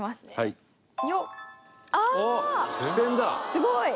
すごい！